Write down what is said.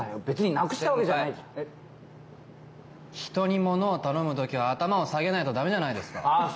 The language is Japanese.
別になくしたわけじゃ先輩人にものを頼むときは頭を下げないとダメじゃないですかあ